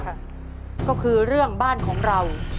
ก็คือเรื่องบ้านของเรา